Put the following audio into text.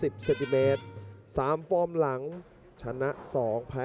มีความรู้สึกว่า